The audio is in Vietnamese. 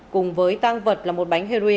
cùng với tang vật là một bánh heroin